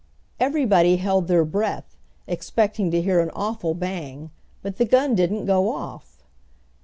Everybody held their breath, expecting to hear an awful bang, but the gun didn't go off.